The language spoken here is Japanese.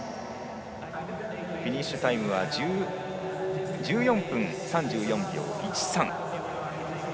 フィニッシュタイムは１４分３４秒１３。